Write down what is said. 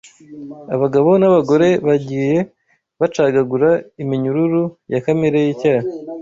abagabo n’abagore bagiye bacagagura iminyuru ya kamere y’icyaha